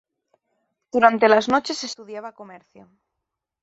Durante las noches estudiaba comercio.